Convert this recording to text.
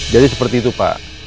jadi seperti itu pak